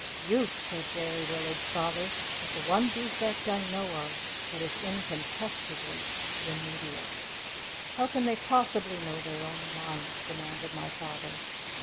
"Youth," said Derry Willard's father, "is the one defect I know of that is incontestably remedial." "How can they possibly know their own minds?" demanded my father.